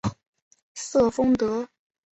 瑟丰德。